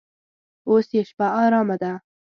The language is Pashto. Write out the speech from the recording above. اوس یې شپه ارامه ده.